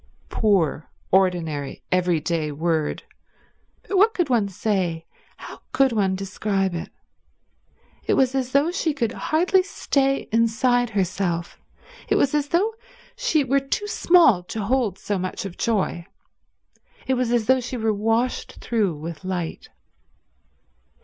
Poor, ordinary, everyday word. But what could one say, how could one describe it? It was as though she could hardly stay inside herself, it was as though she were too small to hold so much of joy, it was as though she were washed through with light.